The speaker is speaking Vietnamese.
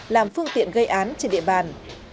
làm phương tiện gây án trên địa bàn